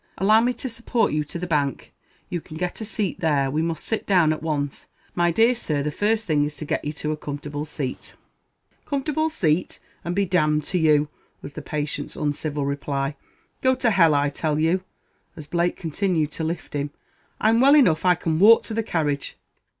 Allow me to support you to the bank. You can get a seat there; we must sit down at once. My dear sir, the first thing is to get you to a comfortable seat." "Comfortable seat, and be d d to you!" was the patient's uncivil reply. "Go to hell, I tell, you!" as Blake continued to lift him. "I'm well enough; I can walk to the carriage!"